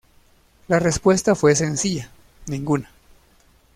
La respuesta fue sencilla: Ninguna.